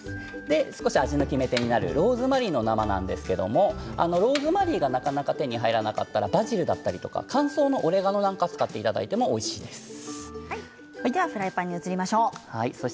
少し味の決め手になるローズマリーの生なんですけれどローズマリーがなかなか手に入らなかったらバジルだったり乾燥のオレガノをではフライパンに移りましょう。